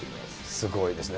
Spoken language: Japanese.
すごいですね。